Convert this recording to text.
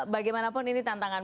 bagaimanapun ini tantangan